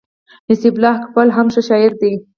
نصيب الله حقپال هم ښه شاعر دئ.